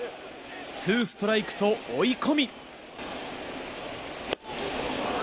２ストライクと追い込み。